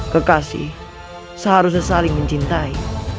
kekasih seharusnya saling mencintai